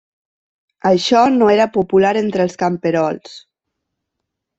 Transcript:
Això no era popular entre els camperols.